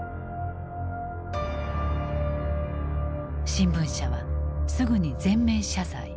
新聞社はすぐに全面謝罪。